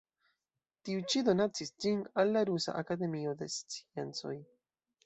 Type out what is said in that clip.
Tiu ĉi donacis ĝin al la Rusa Akademio de Sciencoj.